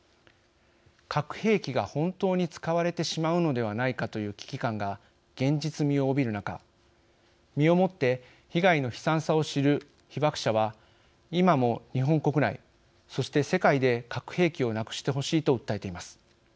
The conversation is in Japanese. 核兵器が本当に使われてしまうのではないかという危機感が現実味を帯びる中身をもって被害の悲惨さを知る被爆者は今も日本国内そして、世界で核兵器をなくしてほしいと訴えています。